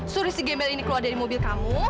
suri si gembel ini keluar dari mobil kamu